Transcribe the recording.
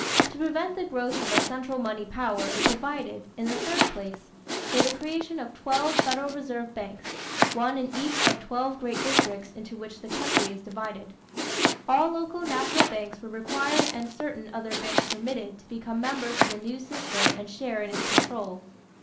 To prevent the growth of a "central money power," it provided, in the third place, for the creation of twelve federal reserve banks, one in each of twelve great districts into which the country is divided. All local national banks were required and certain other banks permitted to become members of the new system and share in its control.